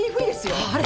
あれ？